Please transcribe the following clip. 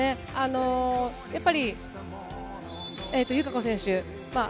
やっぱり友香子選手。